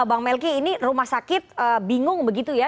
bang melki ini rumah sakit bingung begitu ya